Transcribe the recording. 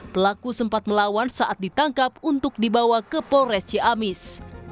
pelaku sempat melawan saat ditangkap untuk dibawa ke polres ciamis